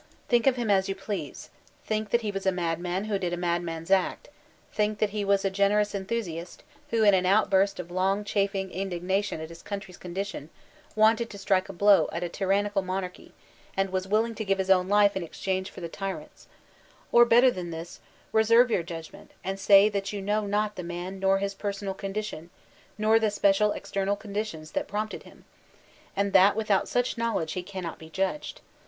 Think of him as you please : think that he was a mad* man who did a madman's act ; think that he was a gener ous enthusiast who in an outburst of long chafing indig> nation at his country's condition wanted to strike a btow at a tyrannical monarchy, and was willing to give his Francisco Fesser 317 own life in exchange for the t]nant's; or better than this, reserve your judgment, and say that you know not the man nor his personal condition, nor the special ex* temal conditions that prompted him; and that without such knowledge he cannot be judged.